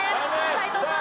斎藤さん